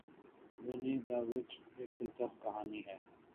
ونی داوچ ایک دلچسپ کہانی ہے۔